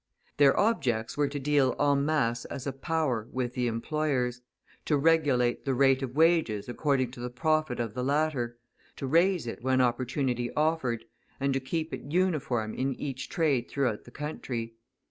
Their objects were to deal, en masse, as a power, with the employers; to regulate the rate of wages according to the profit of the latter, to raise it when opportunity offered, and to keep it uniform in each trade throughout the country.